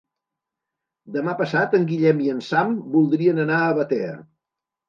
Demà passat en Guillem i en Sam voldrien anar a Batea.